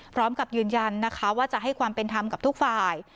พร้อมกับยืนยันนะคะว่าจะให้ความเป็นธรรมกับทุกฝ่าย